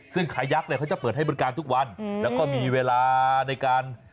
ซึ่งขายักเนี่ยเขาจะเปิดให้บริการทุกวันแล้วก็มีเวลาในการ